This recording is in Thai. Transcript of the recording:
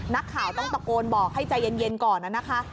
นักข่าวต้องตะโกนบอกให้ใจเย็นก่อนนะคะ